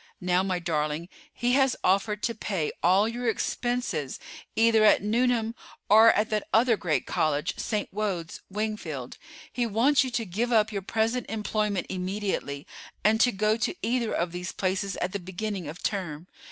Now, my darling, he has offered to pay all your expenses either at Newnham or at that other great college, St. Wode's, Wingfield. He wants you to give up your present employment immediately, and to go to either of these places at the beginning of term.